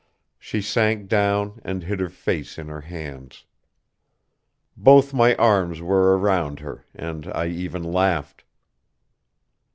She sank down and hid her face in her hands. Both my arms were around her and I even laughed.